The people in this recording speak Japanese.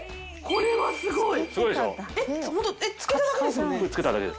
これすごい！